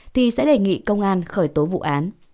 thì sẽ đề nghị công an khởi tố vụ án